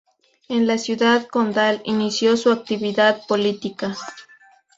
En la ciudad condal inició su actividad política.